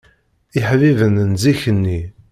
Iḥbiben n zik-nni